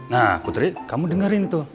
nah putri kamu dengerin tuh